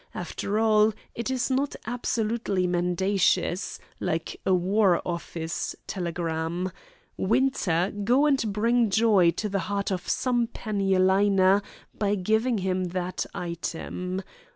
After all, it is not absolutely mendacious, like a War Office telegram. Winter, go and bring joy to the heart of some penny a liner by giving him that item.